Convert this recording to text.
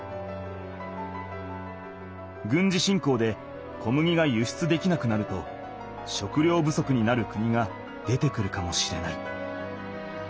軍事侵攻で小麦が輸出できなくなると食料不足になる国が出てくるかもしれない。